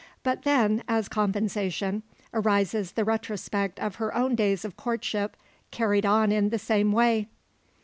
But then, as compensation, arises the retrospect of her own days of courtship carried on in the same way.